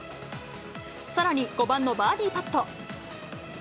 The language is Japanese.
さらに、５番のバーディーパット。